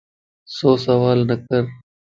سو سوالَ نه ڪر